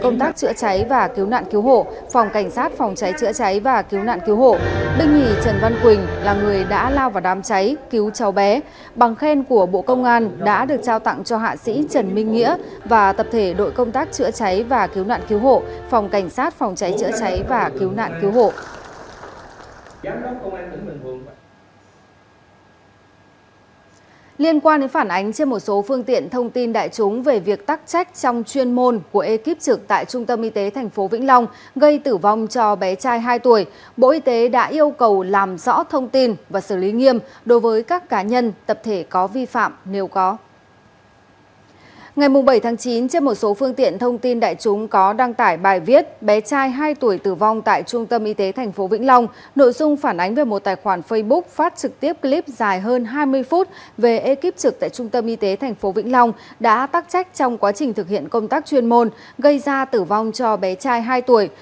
nội dung phản ánh về một tài khoản facebook phát trực tiếp clip dài hơn hai mươi phút về ekip trực tại trung tâm y tế tp vĩnh long đã tắc trách trong quá trình thực hiện công tác chuyên môn gây ra tử vong cho bé trai hai tuổi